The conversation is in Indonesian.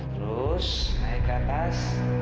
terus naik ke atas